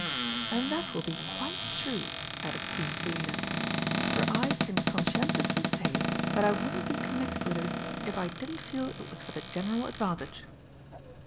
"And that will be quite true," added Queen Selina, "for I can conscientiously say that I wouldn't be connected with it if I didn't feel it was for the general advantage."